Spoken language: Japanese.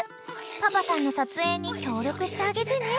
［パパさんの撮影に協力してあげてね］